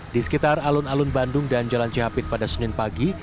di sekitar alun alun bandung dan jalan cihapit pada senin pagi